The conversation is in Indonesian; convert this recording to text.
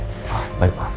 semoga pasal rejep semua pak